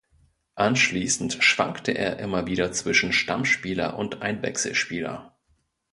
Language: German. Anschließend schwankte er immer wieder zwischen Stammspieler und Einwechselspieler.